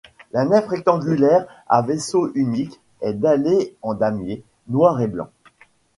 La nef rectangulaire à vaisseau unique est dallée en damier noir et blanc.